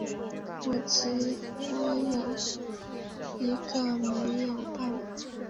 只有我一个没有办法